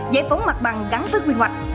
giải phóng mặt bằng gắn với quy hoạch